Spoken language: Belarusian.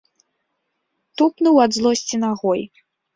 Тупнуў ад злосці нагой.